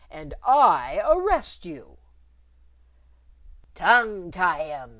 "And I arrest you!" "Tongue tie him!"